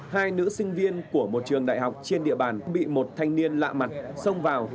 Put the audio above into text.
hai nữ sinh viên của một trường đại học trên địa bàn bị một thanh niên lạ mặt xông vào